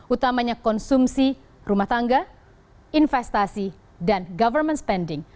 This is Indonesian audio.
utamanya konsumsi rumah tangga investasi dan government spending